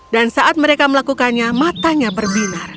dan saat mereka melakukannya matanya perbinar